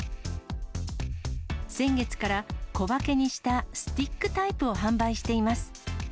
先月から、小分けにしたスティックタイプを販売しています。